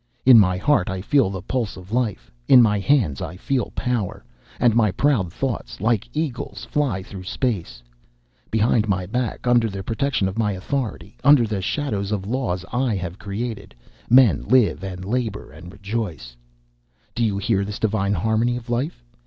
In my heart I feel the pulse of life; in my hands I feel power, and my proud thoughts, like eagles, fly through space. Behind my back, under the protection of my authority, under the shadow of the laws I have created, men live and labour and rejoice. Do you hear this divine harmony of life?